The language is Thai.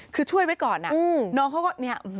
คือช่วยไว้ก่อนน่ะน้องเขาก็